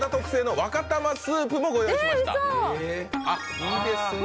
いいですね。